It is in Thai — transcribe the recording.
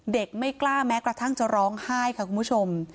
ไม่กล้าแม้กระทั่งจะร้องไห้ค่ะคุณผู้ชม